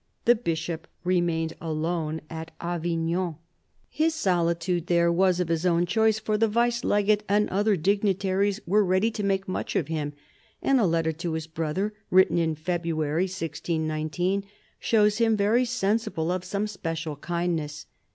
The Bishop remained alone at Avignon. His solitude there was of his own choice, for the Vice Legate and other dignitaries were ready to make much of him, and a letter to his brother, written in February 1619, shows him very sensible of some special kindness.